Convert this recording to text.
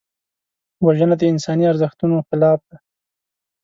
وژنه د انساني ارزښتونو خلاف ده